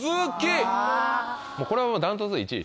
これは断トツで１位？